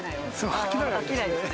飽きないですね。